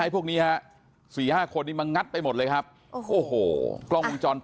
พวกนี้ให้สี่ห้าคนนิดมางัดไปหมดเลยครับโอ้โหโอ้โห